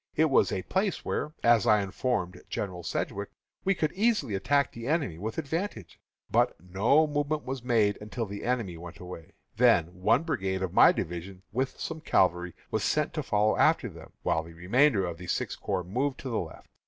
It was a place where, as I informed General Sedgwick, we could easily attack the enemy with advantage. But no movement was made by us until the enemy went away. Then one brigade of my division, with some cavalry, was sent to follow after them, while the remainder of the Sixth Corps moved to the left.